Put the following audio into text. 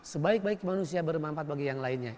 sebaik baik manusia bermanfaat bagi yang lainnya